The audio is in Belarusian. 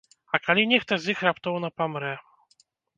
А калі нехта з іх раптоўна памрэ?